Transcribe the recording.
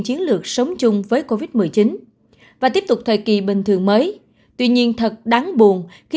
chiến lược sống chung với covid một mươi chín và tiếp tục thời kỳ bình thường mới tuy nhiên thật đáng buồn khi